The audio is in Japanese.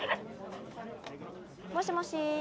もしもし。